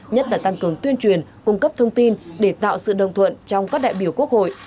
nhất là tăng cường tuyên truyền cung cấp thông tin để tạo sự đồng thuận trong các đại biểu quốc hội